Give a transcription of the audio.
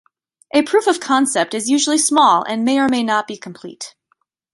A proof of concept is usually small and may or may not be complete.